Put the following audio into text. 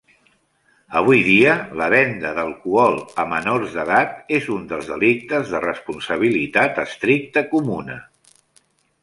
Avui dia la venda d'alcohol a menors d'edat és un dels delictes de responsabilitat estricta comuna.